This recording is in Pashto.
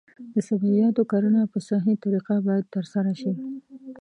د سبزیجاتو کرنه په صحي طریقه باید ترسره شي.